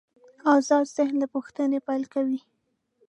آزاد ذهن له پوښتنې پیل کوي.